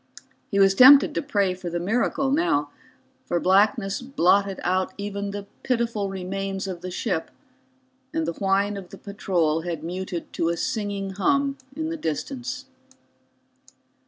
He was tempted to pray for the miracle now, for blackness blotted out even the pitiful remains of the ship, and the whine of the patrol had muted to a singing hum in the distance.